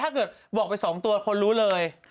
ถ้าเกิดบอกไป๒ตัวคนรู้เลย